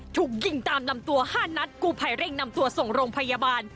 ถูกยิงตามลำตัว๕นัดกู้ภัยเร่งนำตัวส่งโรงพยาบาล